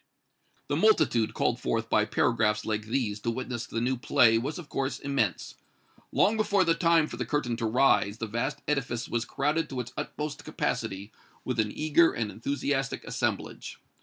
The multitude called forth by paragraphs like these to witness the new play was, of course, immense. Long before the time for the curtain to rise, the vast edifice was crowded to its utmost capacity with an eager and enthusiastic assemblage.